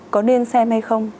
có nên xem hay không